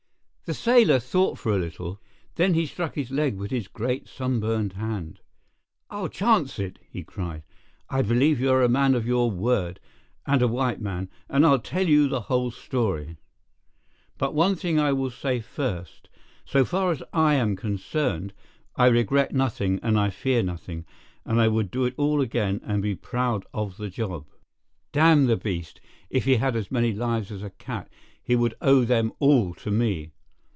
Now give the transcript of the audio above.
The sailor thought for a little. Then he struck his leg with his great sunburned hand. "I'll chance it," he cried. "I believe you are a man of your word, and a white man, and I'll tell you the whole story. But one thing I will say first. So far as I am concerned, I regret nothing and I fear nothing, and I would do it all again and be proud of the job. Damn the beast, if he had as many lives as a cat, he would owe them all to me!